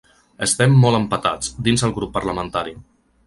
Estem molt empatats, dins el grup parlamentari.